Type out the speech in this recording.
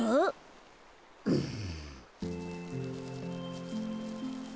うん？